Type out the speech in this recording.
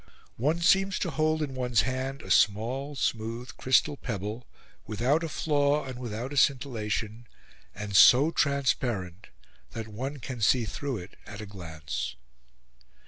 One seems to hold in one's hand a small smooth crystal pebble, without a flaw and without a scintillation, and so transparent that one can see through it at a glance.